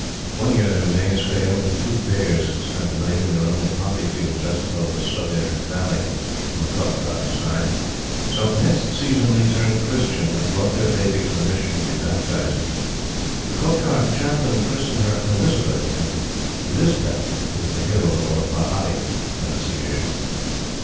One year their maize failed, and two bears spent the night in their only poppy field just above the Sutlej Valley on the Kotgarth side; so, next season, they turned Christian, and brought their baby to the Mission to be baptized. The Kotgarth Chaplain christened her Elizabeth, and "Lispeth" is the Hill or pahari pronunciation.